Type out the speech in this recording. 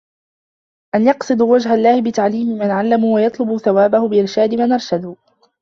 أَنْ يَقْصِدُوا وَجْهَ اللَّهِ بِتَعْلِيمِ مَنْ عَلَّمُوا وَيَطْلُبُوا ثَوَابَهُ بِإِرْشَادِ مَنْ أَرْشَدُوا